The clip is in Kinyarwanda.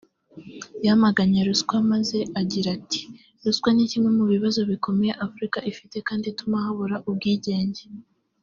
yamaganye ruswa maze agira ati “Ruswa ni kimwe mu bibazo bikomeye Afurika ifite kandi ituma habura ubwigenge